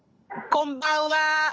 こんばんは。